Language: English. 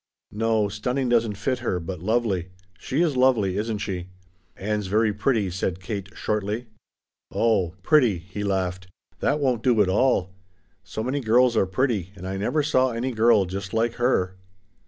"No, stunning doesn't fit her, but lovely. She is lovely, isn't she?" "Ann's very pretty," said Kate shortly. "Oh pretty," he laughed, "that won't do at all. So many girls are pretty, and I never saw any girl just like her."